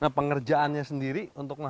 nah pengerjaannya sendiri untuk